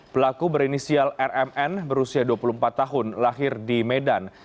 pelaku berinisial rmn berusia dua puluh empat tahun lahir di medan